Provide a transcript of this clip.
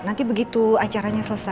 nanti begitu acaranya selesai